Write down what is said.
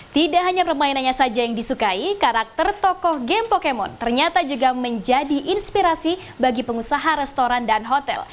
tidak hanya permainannya saja yang disukai karakter tokoh game pokemon ternyata juga menjadi inspirasi bagi pengusaha restoran dan hotel